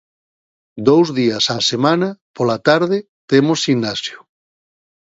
Dous días á semana, pola tarde, temos ximnasio.